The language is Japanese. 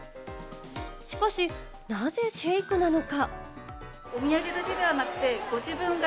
しかし、なぜシェイクなのか？